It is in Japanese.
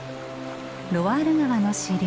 ロワール川の支流